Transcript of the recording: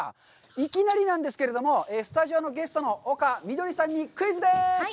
いきなりなんですけれども、スタジオのゲストの丘みどりさんにクイズです！